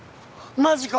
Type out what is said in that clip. マジか！